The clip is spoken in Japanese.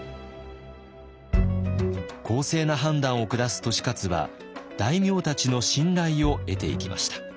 公正な判断を下す利勝は大名たちの信頼を得ていきました。